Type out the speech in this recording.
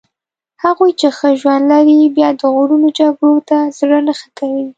هغوی چې ښه ژوند لري بیا د غرونو جګړو ته زړه نه ښه کوي.